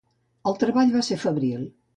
El treball va ser febril.